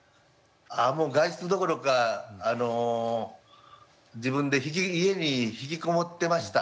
ああもう外出どころかあの自分で家に引きこもってました。